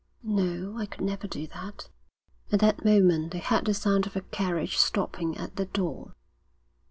'No, I could never do that.' At that moment they heard the sound of a carriage stopping at the door.